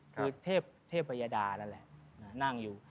คือเทพยดานั่นแหละนั่งอยู่